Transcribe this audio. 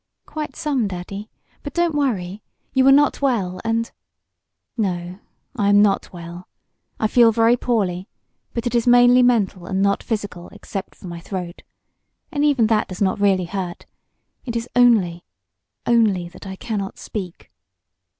"Quite some, Daddy. But don't worry. You are not well, and " "No, I am not well. I feel very poorly, but it is mainly mental, and not physical except for my throat. And even that does not really hurt. It is only only that I cannot speak."